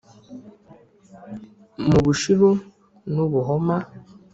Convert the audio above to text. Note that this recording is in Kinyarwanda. Mu Bushiru n'u Buhoma